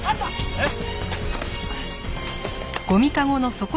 えっ？